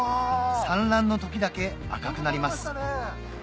産卵の時だけ赤くなります